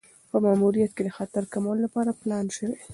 یو ماموریت د خطر کمولو لپاره پلان شوی.